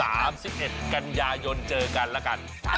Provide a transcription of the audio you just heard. เอาสิ้นเดือน๓๑กัญญายนเจอกันละกัน